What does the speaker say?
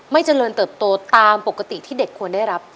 เจริญเติบโตตามปกติที่เด็กควรได้รับ